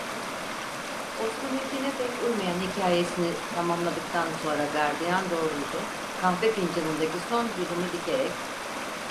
Osman'ınkine pek uymayan hikayesini tamamladıktan sonra gardiyan doğruldu, kahve fincanındaki son yudumu dikerek: